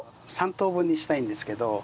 ３等分にしたいんですけど。